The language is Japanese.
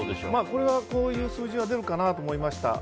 これは、こういう数字が出るかなとは思いました。